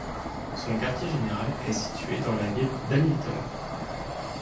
Son quartier général est situé dans la ville d'Hamilton.